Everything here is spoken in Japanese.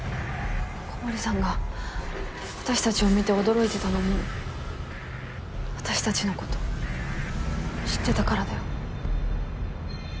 古堀さんが私たちを見て驚いてたのも私たちの事知ってたからだよ。